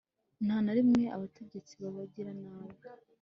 nta na rimwe abategetsi b'abagiranabi